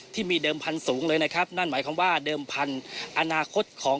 ที่มีเดิมพันธุ์สูงเลยนะครับนั่นหมายความว่าเดิมพันธุ์อนาคตของ